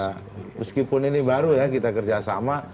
meskipun ini baru ya kita kerjasama